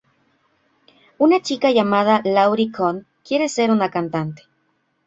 Una chica llamada Laurie Conn quiere ser una cantante.